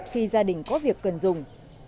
khi gia đình có việc cần dùng